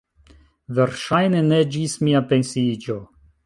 Verŝajne ne ĝis mia pensiiĝo.